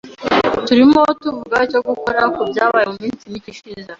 Turimo tuvuga icyo gukora kubyabaye muminsi mike ishize